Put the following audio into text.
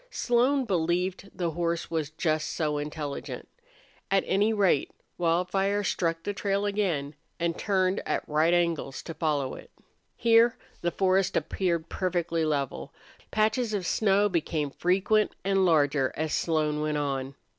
Slone believed the horse was just so intelligent. At any rate, Wildfire struck the trail again, and turned at right angles to follow it. Here the forest floor appeared perfectly level. Patches of snow became frequent, and larger as Slone went on.